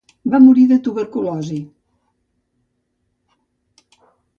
Va morir de tuberculosi.